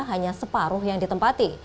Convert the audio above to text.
hanya separuh yang ditempati